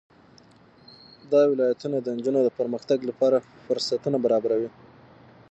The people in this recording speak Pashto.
دا ولایتونه د نجونو د پرمختګ لپاره فرصتونه برابروي.